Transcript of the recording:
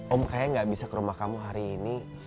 om kayaknya gak bisa ke rumah kamu hari ini